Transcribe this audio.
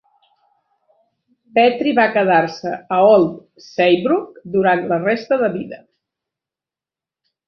Petry va quedar-se a Old Saybrook durant la resta de vida.